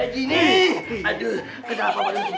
jangan lama vented